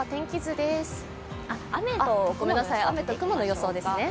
雨と雲の予想ですね。